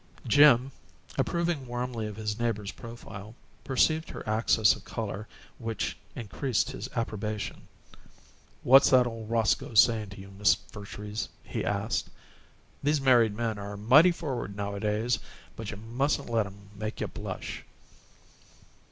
Jim, approving warmly of his neighbor's profile, perceived her access of color, which increased his approbation. "What's that old Roscoe saying to you, Miss Vertrees?" he asked. "These young married men are mighty forward nowadays, but you mustn't let 'em make you blush."